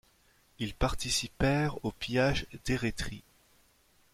Ils participèrent au pillage d'Érétrie.